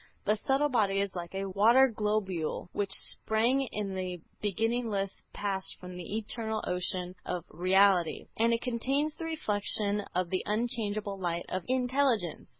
The subtle body is like a water globule which sprang in the beginningless past from the eternal ocean of Reality; and it contains the reflection of the unchangeable light of Intelligence.